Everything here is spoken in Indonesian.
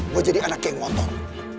gue jadi anak geng motor